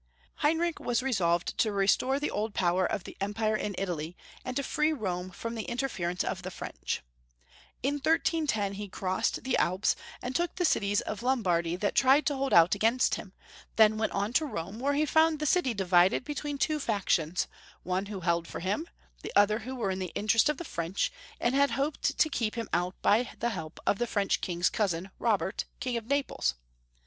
Heinrich was resolved to restore the old power of the empire in Italy, and to free Rome from the interference of the French. In 1310 he crossed the Alps, and took the cities of Lombardy that tried to 210 Young Folks' History of Germany. hold out against him, then went on to Rome, where he fomid the city divided between two factions, one who held for him, the other who were in the interest of the French, and had hoped to keep him out by the help of the French King's < Heinrich VII. 211 Robert, King of Naples.